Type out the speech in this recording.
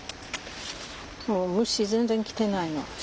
もう虫全然来てないの。